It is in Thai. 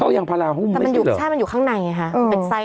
เขายางพาราหุ้มไม่ใช่เหรอถ้ามันอยู่ข้างในอะค่ะ